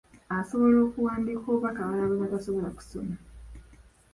Asobola okuwandiika obubaka abalala bwe batasobola kusoma.